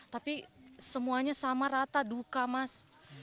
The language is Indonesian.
tapi semuanya sama rata duka mas